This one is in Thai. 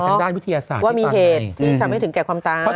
ทางด้านวิทยาศาสตร์ว่ามีเหตุที่ทำให้ถึงแก่ความตาย